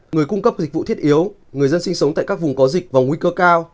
người cung cấp dịch vụ thiết yếu người dân sinh sống tại các vùng có dịch và nguy cơ cao